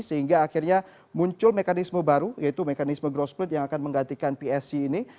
sehingga akhirnya muncul mekanisme baru yaitu mekanisme growth split yang akan menggantikan psc ini